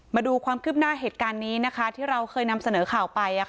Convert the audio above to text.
มาดูความคืบหน้าเหตุการณ์นี้นะคะที่เราเคยนำเสนอข่าวไป